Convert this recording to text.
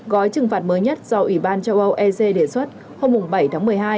gói trừng phạt mới nhất do ủy ban châu âu ec đề xuất hôm bảy tháng một mươi hai